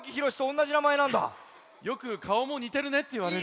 よくかおもにてるねっていわれる。